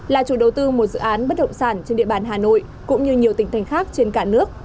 là chủ đầu tư một dự án bất động sản trên địa bàn hà nội cũng như nhiều tỉnh thành khác trên cả nước